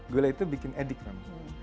gula itu bikin adik namanya